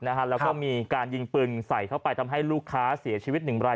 แล้วก็มีการยิงปืนใส่เข้าไปทำให้ลูกค้าเสียชีวิตหนึ่งราย